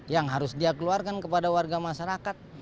yang harus dia keluarkan kepada warga masyarakat